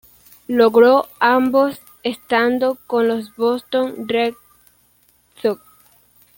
Logró ambos estando con los Boston Red Sox.